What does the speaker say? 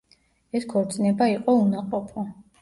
ეს ქორწინება იყო უნაყოფო.